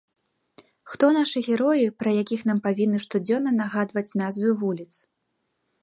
Хто нашы героі, пра якіх нам павінны штодзённа нагадваць назвы вуліц?